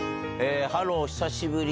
ハロー、久しぶり。